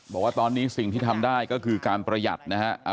บอกว่าตอนนี้สิ่งที่ทำได้ก็คือการประหยัดนะฮะ